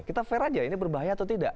kita fair aja ini berbahaya atau tidak